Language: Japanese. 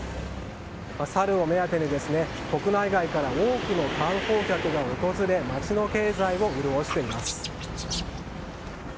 サルを目当てに国内外から多くの観光客が訪れ街の経済を潤しています。